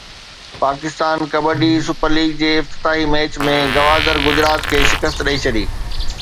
Pakistan kabaddi super league جي افتتاحي match ۾ Gwadar Gujrat کي شڪست ڏئي ڇڏي